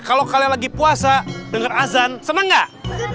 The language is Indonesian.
kalau kalian lagi puasa dengar azan senang nggak